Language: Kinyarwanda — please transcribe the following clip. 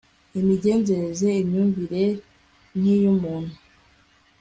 imigenzere, imyumvire nk'iy'umuntu